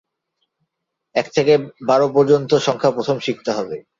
এক থেকে বার পর্যন্ত সংখ্যা প্রথম শিখতে হবে।